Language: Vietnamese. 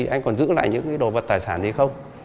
anh còn giữ lại những đồ vật tài sản hay không